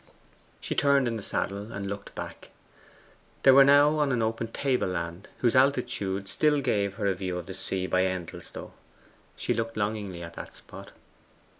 She turned in the saddle and looked back. They were now on an open table land, whose altitude still gave her a view of the sea by Endelstow. She looked longingly at that spot.